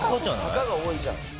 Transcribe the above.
坂が多いじゃん。